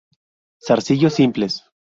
Zarcillos simples.